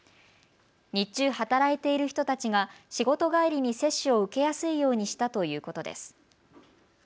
日中、働いている人たちが仕事帰りに接種を受けやすいようにしたということです。